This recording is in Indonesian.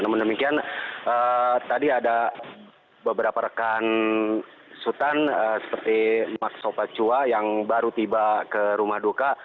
namun demikian tadi ada beberapa rekan sultan seperti mas sopacua yang baru tiba ke rumah duka